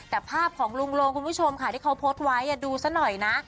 แต่ภาพของลุงลงคุณผู้ชมค่ะที่เขาโพสต์ไว้ดูซะหน่อยนะ